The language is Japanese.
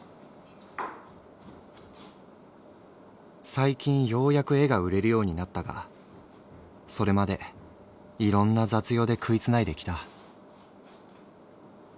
「最近ようやく絵が売れるようになったがそれまでいろんな雑用で食い繋いできた」。